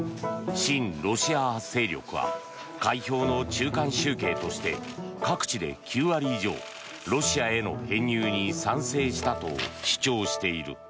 親ロシア派勢力は開票の中間集計として各地で９割以上ロシアへの編入に賛成したと主張している。